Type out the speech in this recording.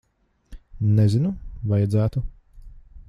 Nezinu. Vajadzētu.